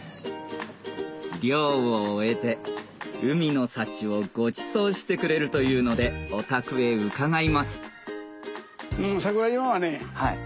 漁を終えて海の幸をごちそうしてくれるというのでお宅へ伺います桜島は。